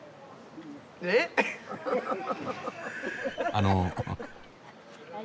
あの。